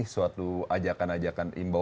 suatu ajakan ajakan imbau